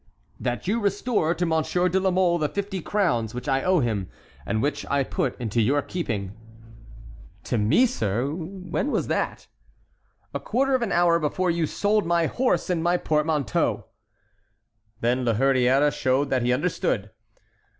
"That you restore to Monsieur de la Mole the fifty crowns which I owe him, and which I put into your keeping." "To me, sir? When was that?" "A quarter of an hour before you sold my horse and my portmanteau." La Hurière showed that he understood.